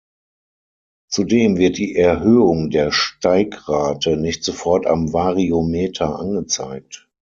Zudem wird die Erhöhung der Steigrate nicht sofort am Variometer angezeigt.